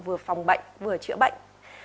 vừa phòng bệnh vừa chữa bệnh